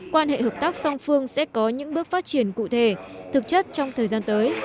quan hệ hợp tác song phương sẽ có những bước phát triển cụ thể thực chất trong thời gian tới